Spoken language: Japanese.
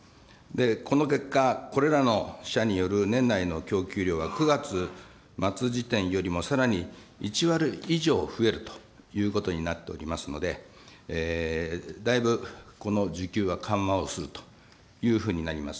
この結果、これらの社による年内の供給量は、９月末時点よりもさらに１割以上増えるということになっておりますので、だいぶ、この需給は緩和をするというふうになります。